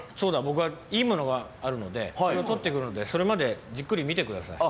ぼくはいい物があるのでそれを取って来るのでそれまでじっくり見て下さい。